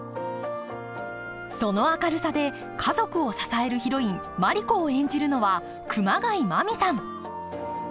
その明るさで家族を支えるヒロインマリ子を演じるのは熊谷真実さん